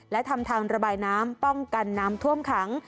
และทำทางระบายน้ำป้องกันน้ำท่วมขัง